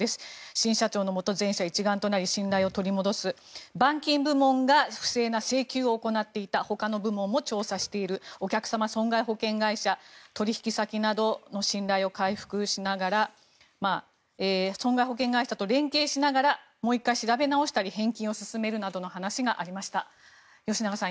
新社長のもと、全社一丸となり信頼を取り戻す板金部門が不正な請求を行っていたほかの部門も調査しているお客様、損害保険会社取引先などの信頼を回復しながら損害保険会社と連携しながらもう１回調べ直したり返金するなどの話がありました。